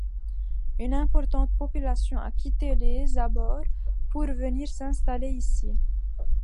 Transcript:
Une importante population a quitté les abords pour venir s'installer ici.